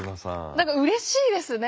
何かうれしいですね。